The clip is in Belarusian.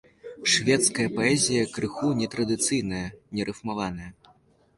Шведская паэзія крыху нетрадыцыйная, нерыфмаваная.